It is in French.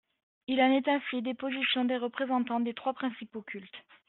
» Il en est ainsi des positions des représentants des trois principaux cultes.